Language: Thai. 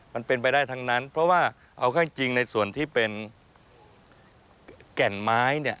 มันเป็นไปได้ทั้งนั้นเพราะว่าเอาเข้าจริงในส่วนที่เป็นแก่นไม้เนี่ย